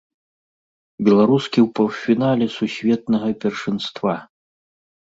Беларускі ў паўфінале сусветнага першынства!